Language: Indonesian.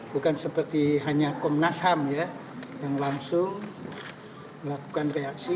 bukan seperti hanya komnas ham yang langsung melakukan reaksi